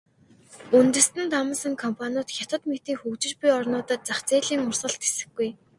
Үндэстэн дамнасан компаниуд Хятад мэтийн хөгжиж буй орнуудын зах зээлийн урсгалд тэсэхгүй.